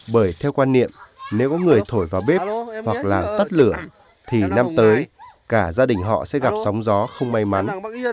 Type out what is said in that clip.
bởi theo quan niệm nếu người thổi vào bếp hoặc là tắt lửa thì năm tới cả gia đình họ sẽ gặp sóng gió không may mắn